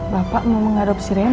bapak mau mengadopsi rena